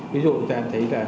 ví dụ tôi thấy là